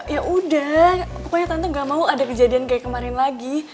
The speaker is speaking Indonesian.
ya udah pokoknya tante gak mau ada kejadian kayak kemarin lagi